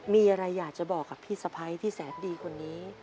มีอะไรอยากบอกพี่สะพ้ายที่แสดดีตรงนี้